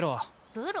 プロ？